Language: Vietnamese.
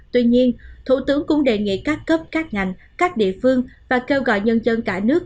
tuy nhiên thủ tướng cũng đề nghị các cấp các ngành các địa phương và kêu gọi nhân dân cả nước